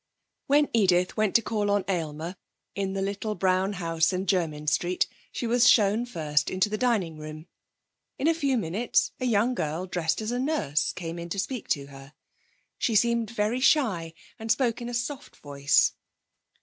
When Edith went to call on Aylmer in the little brown house in Jermyn Street, she was shown first into the dining room. In a few minutes a young girl dressed as a nurse came in to speak to her. She seemed very shy and spoke in a soft voice.